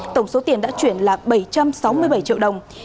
tổng số tiền đã chuyển là bảy trăm sáu mươi bảy triệu đồng